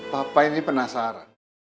papa ini penasaran